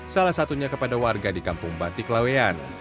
salah satunya kepada warga di kampung batik laweyan